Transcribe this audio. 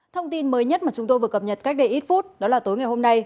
thông tin mới nhất mà chúng tôi vừa cập nhật cách đây ít phút đó là tối ngày hôm nay